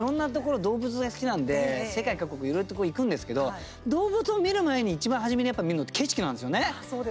僕やっぱり、いろんなところ動物が好きなんで世界各国いろんなとこ行くんですけど動物を見る前に、いちばん初めに見るのって景色なんですよね。